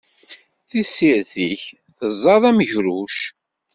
Tissirt-ik teẓẓad amegruc.